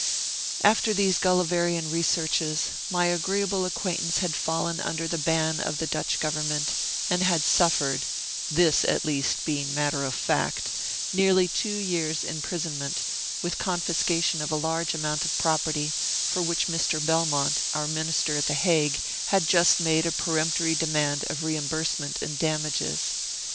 After these Gulliverian researches, my agreeable acquaintance had fallen under the ban of the Dutch government, and had suffered (this, at least, being matter of fact) nearly two years' imprisonment, with confiscation of a large amount of property, for which Mr. Belmont, our minister at the Hague, had just made a peremptory demand of reimbursement and damages.